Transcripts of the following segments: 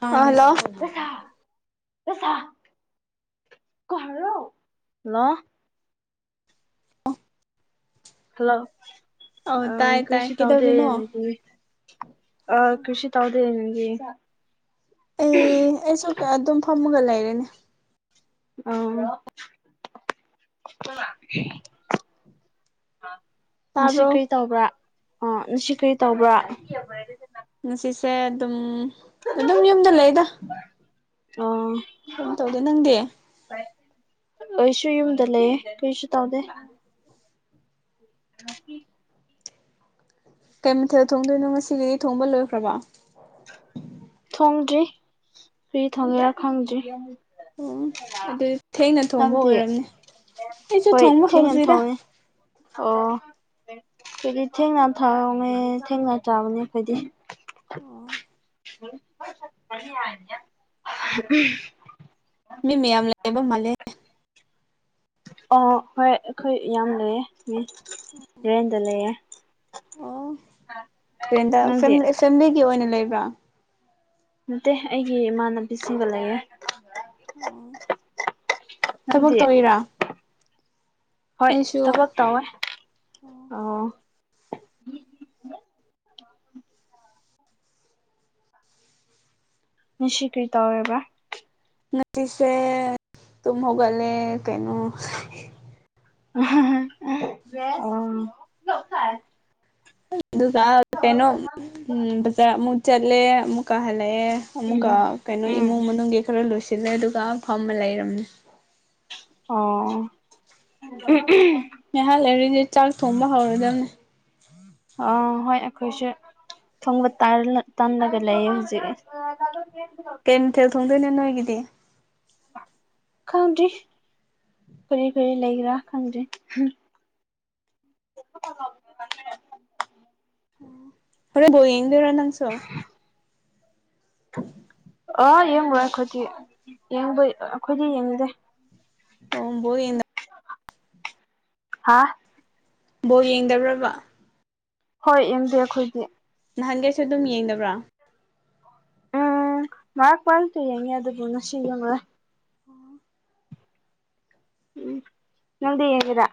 hello ꯑꯦꯁꯥ ꯀꯍꯣ ꯂ ꯑꯣꯐ ꯍꯜꯂꯣ ꯑ ꯇꯥꯏ ꯇꯥꯏ ꯀ꯭ꯣꯏꯁꯤ ꯀꯩꯗꯧꯔꯤꯅꯣ ꯇꯥꯎꯗꯦꯅꯤ ꯑ ꯀꯁꯤꯤ ꯇꯥꯎꯗꯦ ꯅꯪꯒꯤ ꯑꯩ ꯑꯩꯁꯨ ꯑꯗꯨꯝ ꯐꯝꯃꯒ ꯂꯩꯔꯦꯅꯦ ꯑꯥ ꯆ ꯁꯤ ꯇꯥꯕ꯭ꯔꯣ ꯀꯔꯤ ꯇꯧꯕ꯭ꯔꯥ ꯑꯣ ꯁꯤ ꯀꯩ ꯇꯧꯕ꯭ꯔꯥ ꯉꯁꯤꯁꯦ ꯑꯗꯨꯝ ꯑꯗꯨꯝ ꯌꯨꯝꯗ ꯂꯩꯗ ꯑ ꯀꯩꯝ ꯇꯧꯗꯦ ꯅꯪꯗꯤ ꯀꯩꯁꯨ ꯌꯨꯝꯗ ꯂꯩꯌꯦ ꯀꯩꯁꯨ ꯇꯧꯗꯦ ꯑ ꯀꯩ ꯃꯊꯛ ꯊꯣꯡꯗꯣꯏꯅꯣ ꯉꯁꯤꯒꯤꯗꯤ ꯊꯣꯡꯕ ꯂꯣꯏꯈ꯭ꯔꯕ ꯊꯣꯡꯗ꯭ꯔꯤ ꯀꯔꯤ ꯊꯣꯡꯉꯦꯔꯥ ꯈꯪꯗ꯭ꯔꯤ ꯑꯣ ꯑꯗꯨ ꯊꯦꯡꯅ ꯊꯣꯡꯕ ꯅꯪꯗꯤ ꯑꯣꯏꯔꯝꯅꯦ ꯑꯩꯁꯨ ꯍꯣꯏ ꯊꯣꯡꯕ ꯊꯦꯡꯅ ꯍꯧꯗ꯭ꯔꯤꯗ ꯊꯣꯡꯉꯦ ꯑꯣ ꯑꯗꯨꯗꯤ ꯊꯦꯡꯅ ꯊꯅꯦ ꯊꯦꯡꯅ ꯆꯥꯕꯅꯦ ꯑꯩꯈꯣꯏꯗꯤ ꯑꯣ [inaudible] ꯃꯤ ꯃꯌꯥꯝ ꯂꯩꯕ ꯃꯥꯂꯦ ꯑꯣ ꯍꯣꯏ ꯑꯩꯈꯣꯏ ꯌꯥꯝ ꯂꯩꯌꯦꯦ ꯑꯣ ꯀꯦꯟꯗ ꯐ ꯅꯪꯗꯤ ꯁꯦꯝꯗꯦꯒꯤ ꯑꯣꯏꯅ ꯂꯩꯕ꯭ꯔꯥ ꯅꯠꯇꯦ ꯑꯩꯒꯤ ꯏꯃꯥꯟꯅꯕꯤꯁꯤꯡꯒ ꯂꯩꯌꯦꯦ ꯑꯣ ꯊꯕꯛ ꯅꯪꯗꯤ ꯇꯣꯏꯔꯥ ꯍꯣꯏ ꯊꯕꯛ ꯇꯧꯋꯦ ꯑꯣ ꯅꯤꯡ ꯀ꯭ꯔꯤ ꯇꯧꯋꯦꯕ ꯉꯁꯦ ꯇꯨꯃ ꯍꯧꯒ ꯂꯩꯦ ꯀꯩꯅꯣ ꯑꯣ ꯑꯗꯨꯒ ꯀꯩꯅꯣ ꯕꯖꯥꯔ ꯑꯃꯨꯛ ꯆꯠꯂꯦ ꯑꯃꯨꯛ ꯀꯥ ꯍꯜꯂꯛꯑꯦ ꯑꯃꯨꯛꯀ ꯎꯝ ꯀꯩꯅꯣ ꯎꯝ ꯏꯃꯨꯡ ꯃꯅꯨꯡꯒꯤ ꯈꯔ ꯂꯣꯏꯁꯤꯜꯂꯦ ꯑꯗꯨꯒ ꯐꯝꯃ ꯂꯩꯔꯝꯃꯦ ꯑꯣ ꯉꯩꯍꯥꯥꯟ ꯂꯩꯔꯤꯗꯤꯦ ꯆꯥꯛ ꯊꯣꯡꯕ ꯍꯧꯔꯗꯕꯅꯦ ꯑ ꯍꯣꯏ ꯑꯩꯈꯣꯏꯁꯨꯦ ꯊꯣꯡꯕ ꯇꯥꯥꯟ ꯇꯥꯟꯒꯂ ꯌꯦ ꯍꯧꯖꯤꯒ ꯍꯦꯟꯊꯦꯜ ꯊꯣꯡꯗꯣꯏꯅꯦ ꯅꯣꯏꯒꯤꯗꯤ ꯈꯪꯗ꯭ꯔꯤ ꯀꯔꯤ ꯀꯔꯤ ꯂꯩꯒ꯭ꯔꯥ ꯈꯪꯗ꯭ꯔꯤ ꯆ ꯄ ꯈꯔꯦ ꯕꯍꯤ ꯌꯦꯡꯗꯧꯔꯥ ꯅꯪꯁꯨꯣ [inaudible] ꯑꯣ ꯌꯦꯡꯉꯣꯏ ꯑꯩꯈꯣꯏꯗꯤ ꯌꯦꯡꯕ ꯑꯩꯈꯣꯏꯗꯤ ꯌꯦꯡꯉꯨꯗꯦ ꯑꯣꯕꯣꯗꯤ ꯍꯥ ꯕꯣ ꯌꯦꯡꯗꯕ꯭ꯔꯕ ꯍꯣꯏ ꯑꯦꯝꯗꯦ ꯑꯩꯈꯣꯏꯒꯤ ꯅꯍꯥꯟꯒꯩꯁꯨ ꯑꯗꯨꯝ ꯌꯦꯡꯕ꯭ꯔꯥ ꯃꯥ ꯃꯥꯇ ꯌꯦꯡꯉꯦ ꯑꯗꯨ ꯁꯤ ꯑꯣ ꯎꯝ ꯅꯪꯗꯤ ꯌꯦꯒꯔꯥ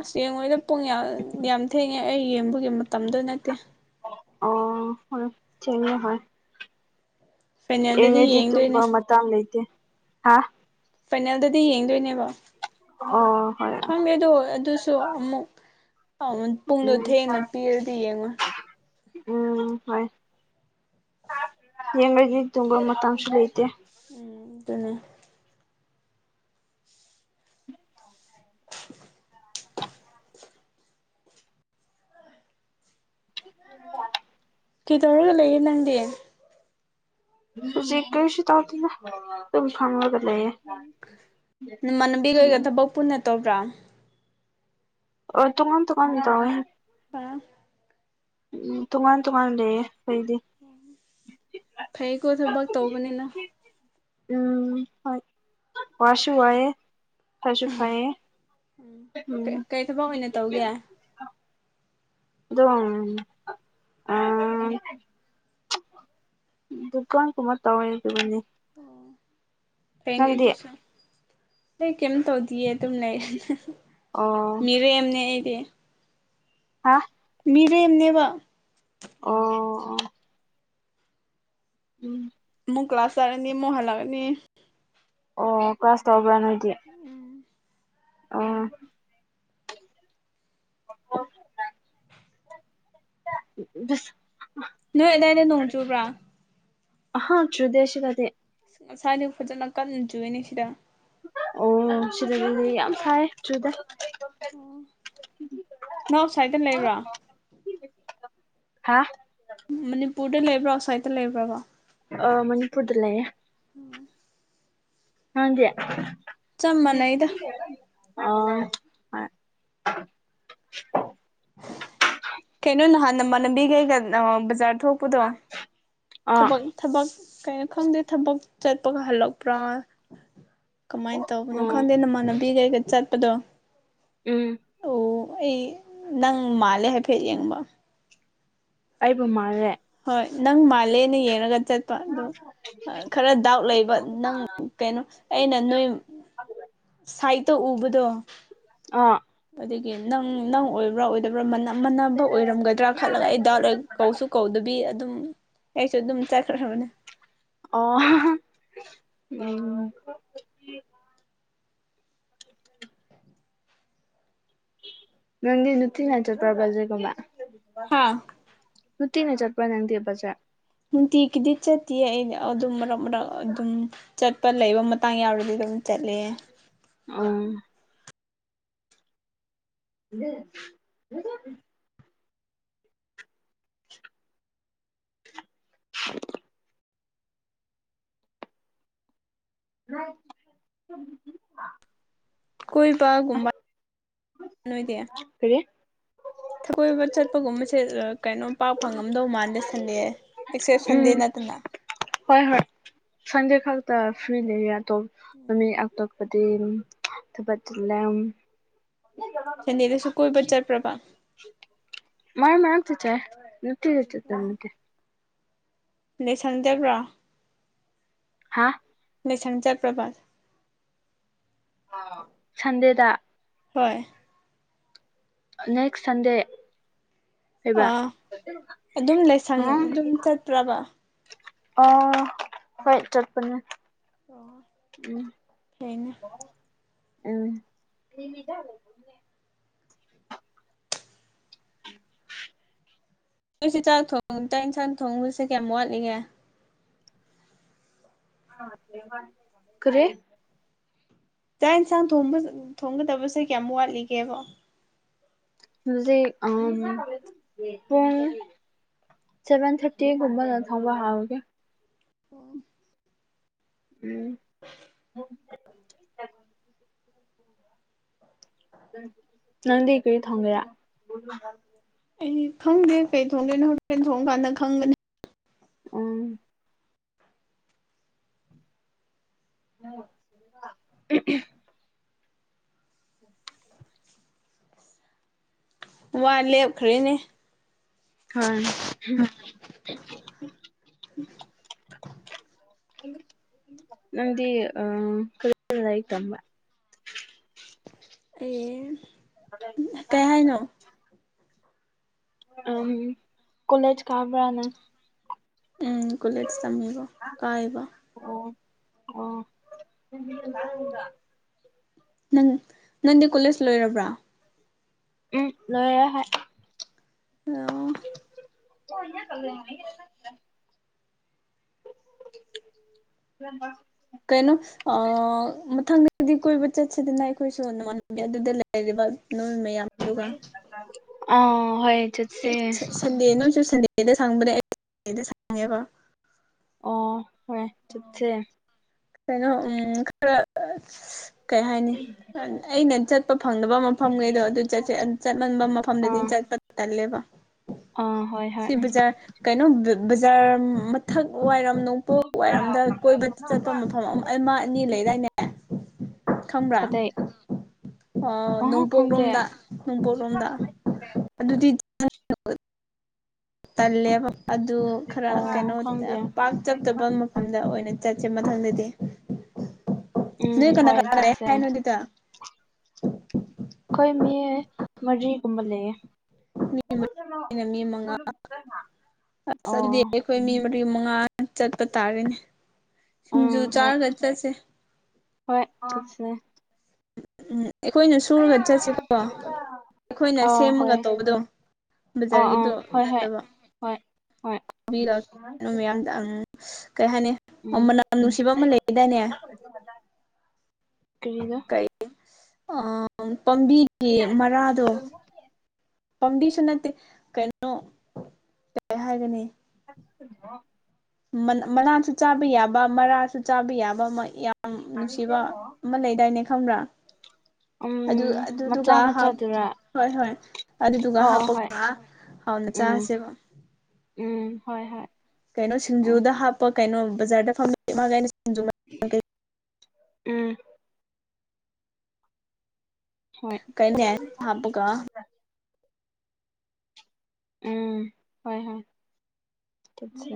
ꯑꯁ ꯌꯦꯡꯉꯣꯏꯗ ꯄꯨꯡ ꯌꯥꯝ ꯌꯥꯝ ꯊꯦꯡꯉꯦ ꯑꯩ ꯌꯦꯡꯕꯒꯤ ꯃꯇꯝꯗ ꯅꯠꯇꯦ ꯑꯣ ꯍ ꯆꯅꯤ ꯍ ꯐꯥꯏꯅꯦꯜꯗꯗꯤ ꯌꯦꯡꯉꯗꯤ ꯇꯨꯝꯕ ꯌꯦꯡꯗꯣꯏꯅꯦ ꯃꯇꯥꯡ ꯂꯩꯇꯦ ꯍꯥ ꯄꯥꯏꯅꯦꯜꯗꯗꯤ ꯌꯦꯡꯗꯣꯏꯅꯦꯕ ꯑꯣ ꯍ ꯃꯗꯣ ꯑꯗꯨꯁꯨ ꯑꯃꯨꯛ ꯄꯨꯡꯗꯣ ꯎꯝ ꯊꯦꯡꯅ ꯄꯤꯔꯗꯤ ꯌꯦꯡꯉꯣꯏ ꯎꯝ ꯍꯣꯏ ꯌꯦꯡꯉꯗꯤ ꯇꯨꯡꯕ ꯃꯇꯥꯡꯁꯨ ꯂꯩꯇꯦ ꯎꯝ ꯑꯗꯨꯅꯦ ꯎ [unintelligible] [inaudible] ꯀꯩꯗꯧꯔꯒ ꯂꯩꯌꯦ ꯅꯪꯗꯤ ꯍꯧꯖꯤ ꯀꯩꯁꯤ ꯇꯥꯎꯅ ꯀ ꯈꯒ ꯂꯩꯦ ꯎ ꯅꯨꯃꯥꯟꯅꯕꯤꯒ ꯑꯣꯏꯒ ꯊꯕꯛ ꯄꯨꯟꯅ ꯇꯧꯕ꯭ꯔꯥ ꯑꯣ ꯇꯣꯉꯥꯟ ꯇꯣꯉꯥꯟꯅ ꯇꯧꯋꯦ ꯑ ꯎꯝ ꯇꯣꯃꯥꯟ ꯇꯣꯃꯥꯟ ꯂꯩꯌꯦꯦ ꯀꯩꯗꯤ ꯐꯩꯀꯣ ꯊꯕꯛ ꯇꯧꯕꯅꯤꯅ ꯎꯝ ꯍ ꯋꯥꯁꯨ ꯋꯥꯏꯌꯦ ꯐꯁꯨ ꯈꯌꯦꯦ ꯎꯝ ꯀꯩ ꯊꯕꯛ ꯑꯣꯏꯅ ꯇꯧꯒꯦ ꯑꯗꯨꯣ ꯎꯝ ꯗꯨꯀꯥꯟ ꯀꯃ ꯇꯧ ꯑꯣꯏ ꯑꯗꯨꯕꯅꯤ ꯐꯩꯅꯦꯑꯗꯨꯁꯨ ꯑꯩ ꯀꯩꯝ ꯇꯧꯗꯤꯌꯦ ꯑꯗꯨꯝ ꯂꯩ ꯑꯣ ꯃꯤꯔꯦꯝꯅꯦ ꯑꯩꯗꯤ ꯍꯥ ꯃꯤꯔꯦꯝꯅꯦꯕ ꯑꯣ ꯑꯣ ꯎꯝ ꯃꯨ ꯀ꯭ꯂꯥꯁ ꯇꯥꯔꯅꯤ ꯃꯣ ꯍꯜꯂꯒꯅꯤ ꯑꯣ ꯀ꯭ꯂꯥꯁ ꯇꯧꯕ꯭ꯔꯥ ꯅꯣꯏꯗꯤ ꯑꯣ ꯑꯣ ꯕꯤꯁ ꯅꯣꯏ ꯑꯗꯨꯗꯥꯏꯗ ꯅꯣꯡꯖꯨꯕ꯭ꯔꯥ ꯑꯍ ꯇ꯭ꯔꯦꯗꯤꯁꯟꯅꯗꯤ ꯉꯁꯥꯏꯗ ꯐꯖꯅ ꯀꯟꯅ ꯆꯨꯏꯅꯦ ꯁꯤꯗ ꯑꯣ ꯌꯥꯝ ꯁꯤꯗ ꯌꯥꯝ ꯁꯥꯏꯦ ꯆꯨꯗ ꯑꯣ ꯅꯪ ꯑꯥꯎꯠꯁꯥꯏꯠꯇ ꯂꯩꯕ꯭ꯔꯥ ꯍꯥꯥ ꯃꯅꯤꯄꯨꯔꯗ ꯂꯩꯕ꯭ꯔꯥ ꯑꯥꯎꯠꯁꯥꯏꯠꯇ ꯂꯩꯕ꯭ꯔꯕꯣ ꯑ ꯃꯅꯤꯄꯨꯔꯗ ꯂꯩꯅꯦ ꯑꯣ ꯅꯪꯗꯤ ꯆꯞ ꯃꯥꯟꯅꯩꯗ ꯑꯣ ꯍꯣꯏ ꯀꯩꯅꯣ ꯅꯍꯥꯟ ꯅꯃꯥꯟꯅꯕꯤꯈꯩꯒ ꯕꯖꯥꯔ ꯊꯣꯛꯄꯗꯣ ꯑꯥ ꯊꯕꯛ ꯊꯕꯛ ꯀꯩꯅꯣ ꯈꯪꯗꯦ ꯊꯕꯛ ꯆꯠꯄꯒ ꯍꯜꯂꯛꯄ꯭ꯔꯥ ꯀꯃꯥꯏꯅ ꯇꯧꯕꯅꯣ ꯎꯝ ꯈꯪꯗꯦ ꯅꯃꯥꯟꯅꯕꯤ ꯀꯩꯒ ꯆꯠꯄꯗꯣ ꯎꯝ ꯑꯣ ꯑꯩ ꯅꯪ ꯃꯥꯜꯂꯦ ꯍꯥꯏꯐꯦꯠ ꯌꯦꯡꯕ ꯑꯩꯕꯨ ꯃꯥꯜꯂꯦ ꯍꯣꯏ ꯅꯪ ꯃꯥꯂꯦꯅ ꯌꯦꯉꯒꯠꯇ ꯑꯗꯣ ꯈꯔ ꯗꯥꯎꯠ ꯂꯩꯕ ꯅꯪ ꯀꯩꯅꯣ ꯑꯩꯅ ꯅꯣꯏ ꯁꯥꯏꯠꯇ ꯎꯕꯗꯣ ꯑ ꯑꯗꯒꯤ ꯅꯪ ꯅꯪ ꯑꯣꯏꯕ꯭ꯔꯥ ꯑꯣꯏꯗꯕ꯭ꯔꯥ ꯃꯅ ꯃꯅꯕ ꯑꯣꯏꯔꯝꯒꯗ꯭ꯔꯥ ꯈꯜꯂꯒ ꯑꯩ ꯗꯥꯜ ꯑꯣꯏ ꯀꯧꯁꯨ ꯀꯧꯗꯕꯤ ꯑꯗꯨꯝ ꯑꯩꯁꯨ ꯑꯗꯨꯝ ꯆꯠꯈ꯭ꯔꯕꯅꯦ ꯑꯣ ꯎꯝ [inaudible] ꯃꯪꯗꯤꯅ ꯊꯤꯅ ꯆꯄ꯭ꯔꯔꯕꯖꯔꯒ ꯃꯥ ꯍꯥ ꯅꯨꯡꯇꯤꯟꯅ ꯆꯠꯄ꯭ꯔꯅꯪꯗꯤ ꯕꯖꯥꯔ ꯗꯤ ꯒꯤꯗꯤ ꯆꯠꯇꯤꯌꯦ ꯑꯩ ꯑꯗꯨꯝ ꯃꯔꯛ ꯃꯔꯛ ꯑꯗꯨꯝ ꯆꯠꯄ ꯂꯩꯕ ꯃꯇꯥꯡ ꯌꯥꯎꯔꯗꯤ ꯑꯗꯨꯝ ꯆꯠꯂꯦ ꯎꯝ [unintelligible] [inaudible] [inaudible] [unintelligible] ꯀꯣꯏꯕꯒꯨꯝꯕ ꯅꯣꯏꯗꯤ ꯀꯔꯤ ꯊꯒꯣꯏꯕ ꯆꯠꯄꯒꯨꯝꯕꯁꯦ ꯀꯩꯅꯣꯝ ꯄꯥꯛ ꯐꯪꯉꯝꯗꯧ ꯃꯥꯟꯗꯦ ꯁꯟꯗꯦ ꯑꯦꯛꯁꯦꯞ ꯁꯟꯗꯦ ꯎꯝ ꯅꯠꯇꯅ ꯍꯣꯏ ꯍꯣꯏ ꯁꯟꯗꯦ ꯈꯗ ꯐꯤꯔꯤ ꯂꯩꯌꯦ ꯅꯨꯃꯤꯠ ꯑꯇꯣꯞꯄꯗꯤ ꯊꯕꯠ ꯆꯤꯜꯂꯦ ꯁꯟꯗꯦꯗꯁꯨ ꯀꯣꯏꯕ ꯆꯠꯄ꯭ꯔꯥꯕ ꯃꯥꯔꯛ ꯃꯔꯛ ꯇꯥ ꯆꯥꯔꯦ ꯅꯨꯡꯇꯤꯒꯤ ꯆꯠꯇꯧ ꯅꯠꯇꯦ ꯂꯩꯁꯟꯗꯕ꯭ꯔꯣ ꯍꯥ ꯂꯩꯁꯪ ꯆꯠꯄ꯭ꯔꯥꯕ ꯁꯟꯗꯦꯗ ꯍꯣꯏ ꯅꯦꯛꯁ ꯁꯟꯗꯦ ꯍꯥꯕ꯭ꯔꯥ ꯑꯥ ꯑꯗꯨꯝ ꯂꯥꯏꯁꯪ ꯎꯝ ꯑꯗꯨꯝ ꯆꯠꯄ꯭ꯔꯕ ꯑꯣ ꯍꯣꯏ ꯆꯠꯄꯅꯤ ꯑꯣ ꯎꯝ ꯐꯩꯅꯦ ꯎꯝ ꯅꯈꯣꯏꯁꯦ ꯆꯥꯛ ꯊꯣꯡ ꯆꯥꯛ ꯌꯦꯟꯁꯥꯡ ꯊꯣꯡꯕꯁꯦ ꯀꯌꯥꯝ ꯋꯥꯠꯂꯤꯒꯦ ꯀꯔꯤ ꯆꯥꯛ ꯌꯦꯟꯁꯥꯡ ꯊꯣꯡ ꯊꯣꯡꯒꯗꯕꯁꯦ ꯀꯌꯥꯃꯨ ꯋꯥꯠꯂꯤꯒꯦꯕ ꯍꯨꯖꯤꯛ ꯑꯥꯝ ꯄꯨꯡ ꯁꯚꯦꯟ ꯊꯥꯔꯇꯤꯒꯨꯝꯕꯅ ꯊꯪꯕ ꯍꯥꯎꯒꯦ ꯑꯣ ꯎꯝ [inaudible] ꯅꯪꯗꯤ ꯀꯔꯤ ꯊꯣꯡꯒꯦꯔꯥ ꯑꯩ ꯈꯪꯗꯦ ꯀꯩ ꯊꯣꯡꯗꯣꯏꯅꯣ ꯍꯣꯔꯦꯟ ꯊꯣꯡ ꯀꯥꯟꯗ ꯈꯪꯒꯅꯤ ꯎꯝ [unintelligible] [inaudible] ꯋꯥ ꯂꯦꯞꯈ꯭ꯔꯦꯅꯦ ꯍꯝ [inaudible] [inaudible] ꯅꯪꯗꯤ ꯑꯥ ꯀꯔꯤ ꯂꯥꯏꯔꯤꯛ ꯇꯝꯕ꯭ꯔꯥ ꯑꯦ ꯁꯕꯦꯟ [unintelligible] ꯎꯝ ꯀꯣꯂꯦꯖ ꯀꯥꯕ꯭ꯔꯥ ꯅꯪ ꯎꯝ ꯀꯣꯂꯦꯠꯁ ꯇꯝꯃꯤꯕ ꯀꯥꯏꯕ ꯑꯣ ꯑꯣ [unintelligible] ꯅꯪ ꯅꯪꯗꯤ ꯀꯣꯂꯦꯖ ꯂꯣꯏꯔꯕ꯭ꯔꯥ ꯎꯝ ꯂꯣꯏꯔꯦ ꯍꯣꯏ [unintelligible] [unintelligible] [unintelligible] ꯀꯩꯅꯣ ꯑꯥ ꯃꯊꯪꯗꯗꯤ ꯀꯣꯏꯕ ꯆꯠꯁꯤꯗꯅ ꯑꯩꯈꯣꯏꯁꯨ ꯅꯃꯥꯟꯅꯕꯤ ꯑꯗꯨꯗ ꯂꯩꯔꯤꯕ ꯅꯣꯏ ꯃꯌꯥꯝ ꯑꯥ ꯍꯣꯏ ꯆꯠꯁꯦ ꯁꯟꯗꯦ ꯅꯪꯁꯨ ꯁꯟꯗꯦꯗ ꯁꯪꯕꯅꯦ ꯑꯩ ꯁꯟꯗꯦꯗ ꯁꯪꯉꯦꯕ ꯑꯣ ꯍ ꯆꯠꯁꯦ ꯀꯩꯅꯣ ꯈꯔ ꯀꯩ ꯍꯥꯏꯅꯤ ꯑꯩꯅ ꯆꯠꯄ ꯐꯪꯗꯕ ꯃꯐꯝꯈꯩꯗꯣ ꯑꯗꯨ ꯆꯠꯂꯝꯟꯕ ꯃꯐꯝꯗꯗꯤ ꯑꯥ ꯆꯠꯄ ꯇꯜꯂꯦꯕ ꯑꯥ ꯍꯣꯏ ꯍꯣꯏ ꯁꯤꯕꯖꯔ ꯀꯩꯅꯣ ꯕꯖꯥꯔ ꯃꯊꯛ ꯋꯥꯏꯔꯝ ꯅꯣꯡꯄꯣꯛ ꯋꯥꯏꯔꯝꯗ ꯀꯣꯏꯕ ꯆ ꯑꯐꯝ ꯃꯐꯝ ꯑꯃ ꯑꯅꯤ ꯂꯩꯗꯥꯏꯅꯦ ꯈꯪꯕ꯭ꯔꯥ ꯀꯗꯥꯏ ꯑ ꯑꯍ ꯈꯪꯗꯦ ꯅꯣꯡꯄꯣꯛꯂꯣꯝꯗ ꯅꯣꯡꯄꯣꯛꯂꯣꯝꯗ ꯑꯗꯨꯗꯤ ꯇꯜꯂꯦꯕ ꯑꯗꯨ ꯈꯔ ꯑꯣ ꯀꯩꯅꯣ ꯈꯪꯗꯦ ꯄꯥꯛ ꯆꯛꯇꯕ ꯃꯐꯝꯗ ꯑꯣꯏꯅ ꯆꯠꯁꯦ ꯃꯊꯪꯗꯗꯤ ꯅꯣꯏ ꯎꯝ ꯀꯅꯥ ꯍꯣꯏ ꯀꯅꯥꯅ ꯆꯠꯁꯦ ꯍꯥꯏꯅꯣꯗꯤꯗ ꯑꯩꯈꯣꯏ ꯃꯤ ꯃꯔꯤꯒꯨꯝꯕ ꯂꯩꯌꯦ ꯃꯤ ꯑꯩꯅ ꯃꯤ ꯃꯉꯥ ꯑꯁ ꯑꯗꯨꯗꯤ ꯑꯣ ꯑꯩꯈꯣꯏ ꯃꯤ ꯃꯔꯤ ꯃꯉꯥ ꯆꯠꯄ ꯇꯥꯔꯦꯅꯦ ꯁꯤꯡꯖꯨ ꯎꯝ ꯍꯣꯏ ꯆꯥꯔꯒ ꯆꯠꯁꯦ ꯍꯣꯏ ꯑꯁꯦ ꯎꯝ ꯑꯩꯈꯣꯏꯅ ꯁꯨꯔꯒ ꯆꯠꯁꯤꯀꯣ ꯑꯩꯈꯣꯏꯅ ꯑꯥ ꯁꯦꯝꯃꯒ ꯍꯣꯏ ꯇꯧꯕꯗꯣ ꯑꯥ ꯑꯥ ꯕꯖꯥꯔꯒꯤꯗꯣ ꯍꯣꯏ ꯍꯣꯏ ꯅꯠꯇꯕ ꯍꯣꯏ ꯍꯣꯏ ꯔꯛꯑꯣ ꯃꯌꯥꯝꯗꯪ ꯀꯩ ꯍꯥꯏꯅꯤ ꯎꯝ ꯃꯅꯝ ꯅꯨꯡꯁꯤꯕ ꯑꯃ ꯂꯩꯗꯥꯏꯅꯦ ꯀꯒ ꯀ ꯄꯥꯝꯕꯤꯒꯤ ꯃꯔꯥꯗꯣ ꯐꯥꯎꯗꯤꯦꯁꯟ ꯅꯠꯇ ꯀꯩꯅꯣ ꯀ ꯍꯥꯏꯒꯅꯤ ꯣ ꯃꯅꯥꯁꯨ ꯆꯥꯕ ꯌꯥꯕ ꯃꯔꯥꯁꯨ ꯆꯥꯕ ꯌꯥꯕ ꯌꯥꯝ ꯅꯨꯡꯁꯤꯕ ꯑꯃ ꯂꯩꯗꯥꯏꯅꯦ ꯈꯪꯕ꯭ꯔꯥ ꯑꯗꯨ ꯎꯝ ꯃꯆꯥ ꯑꯗꯨꯗꯨꯒ ꯃꯆꯥꯗꯨꯔꯥ ꯍꯣꯏ ꯍꯣꯏ ꯑꯗꯨꯗꯨꯒ ꯑꯣ ꯑꯣ ꯍꯥꯞꯄ ꯍꯣꯏ ꯍꯥꯎꯅ ꯆꯥ ꯎꯝ ꯁꯤꯦꯕ ꯎꯝ ꯍꯣꯏ ꯍꯣꯏ ꯀꯩꯅꯣ ꯍꯣꯏ ꯁꯤꯡꯖꯨꯗ ꯍꯥꯞ ꯀꯩꯅꯣ ꯕꯖꯥꯔꯗ ꯐꯝ ꯎꯝ ꯍꯣꯏ ꯀꯩꯅꯦ ꯍꯥꯞꯄꯒ ꯎꯝ ꯍꯣꯏ ꯍꯣꯏ ꯇꯠꯁꯦ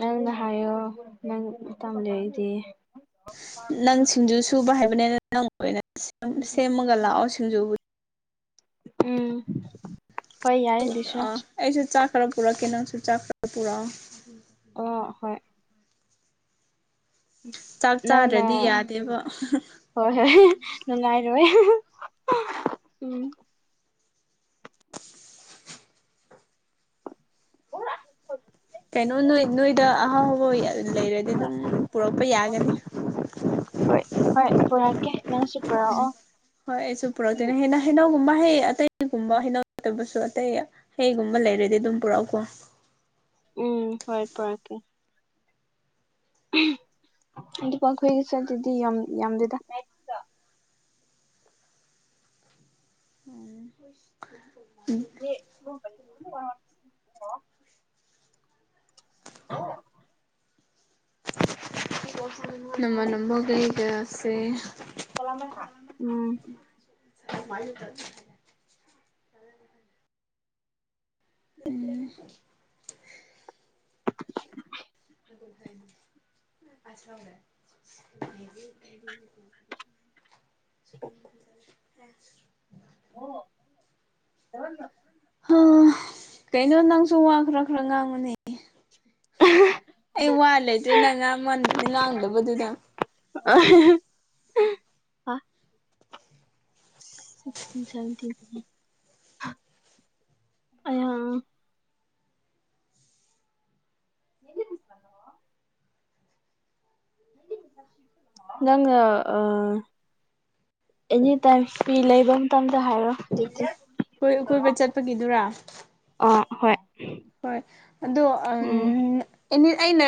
ꯅꯪꯅ ꯍꯥꯏꯌꯣ ꯅꯪ ꯇꯜꯂꯤ ꯑꯩꯗꯤ ꯅꯪ ꯁꯤꯡꯖꯨ ꯁꯨꯕ ꯍꯥꯏꯕꯅꯤꯅ ꯅꯪ ꯑꯣꯏꯅ ꯁꯦꯝꯃꯒ ꯂꯥꯛꯑꯣ ꯁꯤꯡꯖꯨꯕꯨ ꯎꯝ ꯍꯣꯏ ꯌꯥꯏ ꯑꯗꯨꯁꯨ ꯑꯩꯁꯨ ꯆꯥꯛ ꯈꯔ ꯄꯨꯔꯛꯑꯣ ꯀꯦꯩꯅꯪꯁꯨ ꯆꯥꯛ ꯈꯔ ꯄꯨꯔꯛꯑꯣ ꯑ ꯍꯣꯏ ꯆꯥꯛ ꯅꯪꯅ ꯆꯥꯔꯗꯤ ꯌꯥꯗꯦꯕ ꯍꯣꯏ ꯍꯣꯏ ꯅꯨꯡꯉꯥꯏꯔꯣꯏ ꯎꯝ ꯀꯩꯅꯣ ꯅꯣꯏ ꯅꯣꯏꯗ ꯑ ꯍ ꯍꯣꯏ ꯑꯗꯨ ꯂꯩꯔꯗꯤ ꯑꯗꯨꯝ ꯄꯨꯔꯛꯄ ꯌꯥꯒꯅꯤ ꯍꯣꯏ ꯍꯣꯏ ꯄꯨꯔꯛꯀꯦ ꯅꯪꯁꯨ ꯄꯨꯔꯛꯑꯣ ꯎꯝ ꯍꯣꯏ ꯑꯩꯁꯨ ꯄꯨꯔꯛꯇꯣꯏꯅꯦ ꯍꯦꯟꯅ ꯍꯩꯅꯧꯒꯨꯝꯕ ꯍꯌꯦ ꯑꯇꯩꯒꯨꯝꯕ ꯍꯩꯅꯧꯇꯕꯁꯨ ꯑꯇꯩ ꯍꯩꯒꯨꯝꯕ ꯂꯩꯔꯗꯤ ꯑꯗꯨꯝ ꯄꯨꯔꯛꯎꯀꯣ ꯎꯝ ꯍ ꯄꯔꯥꯛꯀꯦ ꯑꯗꯨꯄꯥꯈꯣꯏꯒꯤꯁꯨ ꯑꯗꯨꯗꯤ ꯌꯥꯝꯗꯦꯗ ꯎꯝ [inaudible] ꯑ ꯅꯝꯕ ꯅꯝꯕꯒ ꯏꯗꯁꯦ ꯎꯝ ꯁ ꯃꯥꯏꯟ ꯎꯝ ꯎ ꯐ ꯁ [inaudible] ꯑ ꯑ ꯀꯩꯅꯣ ꯅꯪꯁꯨ ꯋꯥ ꯈꯔ ꯈꯔ ꯉꯥꯡꯉꯅꯤ ꯑ ꯑꯩ ꯋꯥ ꯂꯩꯇ꯭ꯔꯦ ꯅꯪꯥꯡ ꯉꯥꯡꯗꯕꯗꯨꯅ ꯑ ꯇ ꯑ ꯌꯦꯗꯤ ꯃꯤꯁ ꯄꯣ ꯂꯉ ꯑ ꯑꯦꯅꯤ ꯇꯥꯏꯝ ꯐꯤ ꯂꯩꯕ ꯃꯇꯝꯗ ꯍꯥꯏꯔꯣ ꯑꯗꯨꯗꯤ ꯣꯏ ꯀꯣꯏꯕ ꯆꯠꯄꯒꯤꯗꯨꯔꯥ ꯑ ꯍꯣꯏ ꯍꯣꯏ ꯑꯗꯣ ꯎꯝ ꯎ ꯑꯩꯅ